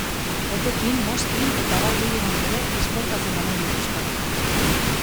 Etekin, mozkin eta abar gehienak ere, esportatzen omen dituzte.